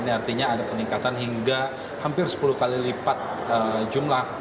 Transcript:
ini artinya ada peningkatan hingga hampir sepuluh kali lipat jumlah